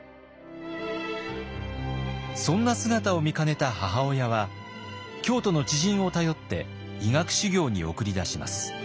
そんな姿を見かねた母親は京都の知人を頼って医学修行に送り出します。